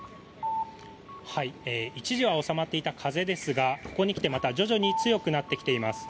一時は収まっていた風ですがここに来て、また徐々に強くなってきています。